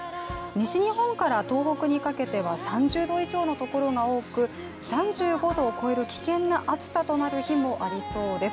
西日本から東北にかけては３０度以上のところが多く３５度を超える危険な暑さとなる日もありそうです。